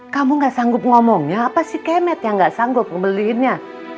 kamu gak sanggup ngomongnya apa sih kemet yang gak sanggup membeliinnya